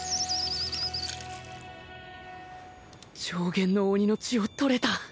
上弦の鬼の血を採れた